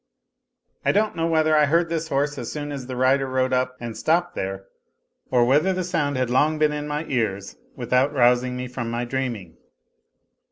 I don't know whether I heard this horse as soon as the rider rode up and stopped there, or whether the sound had long been in my ears without rousing me from my dreaming.